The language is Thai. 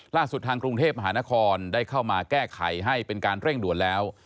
ทางกรุงเทพมหานครได้เข้ามาแก้ไขให้เป็นการเร่งด่วนแล้ว